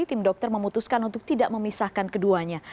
tim dokter memutuskan untuk tidak memisahkan keduanya